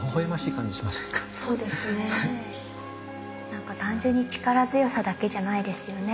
何か単純に力強さだけじゃないですよね